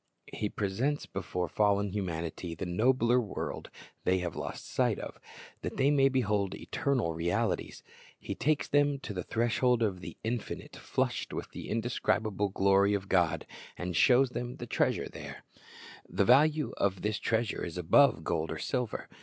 "* He presents before fallen humanity the nobler world they have lost sight of, that they may behold eternal realities. He takes them to the threshold of the Infinite, flushed with the indescribable glory of God, and shows them the treasure there. 1 John 12:42 2i Cor. 2:14 •■* 2 Cor. 4 : 3, 4 4^^11.16:26 Hidden Ti'easur^ \o^ The value of this treasure is above gold or silver.